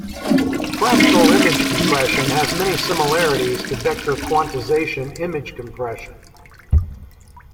Fractal image compression has many similarities to vector quantization image compression.